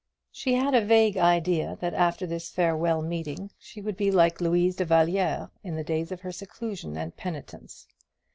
She had a vague idea that after this farewell meeting she would be like Louise de la Vallière in the days of her seclusion and penitence.